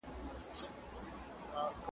مننه د حقیقتونو د لیدلو سترګې دي.